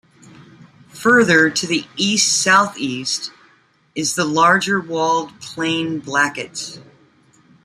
Further to the east-southeast is the larger walled plain Blackett.